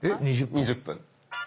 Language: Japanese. ２０分。